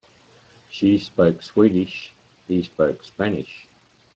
She spoke Swedish, he spoke Spanish.